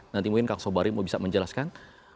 nanti mungkin kang sobari mau bisa menjelaskan